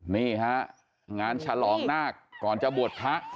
นี่ฮะงานฉลองนาคก่อนจะบวชพระ